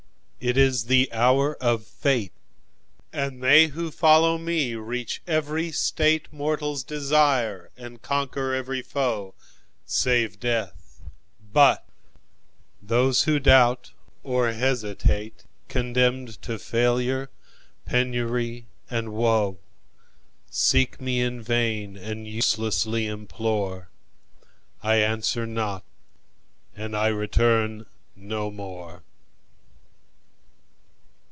It is the hour of fate, And they who follow me reach every stateMortals desire, and conquer every foeSave death; but those who doubt or hesitate, Condemned to failure, penury, and woe, Seek me in vain and uselessly implore.I answer not, and I return no more!"